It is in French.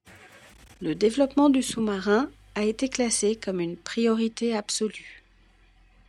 Le développement du sous-marin a été classé comme une priorité absolue.